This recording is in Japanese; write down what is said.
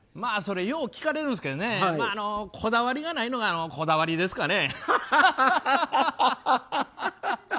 それ、よう聞かれるんですけどこだわりがないのがこだわりですかね。